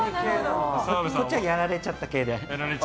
こっちはやられちゃった系で。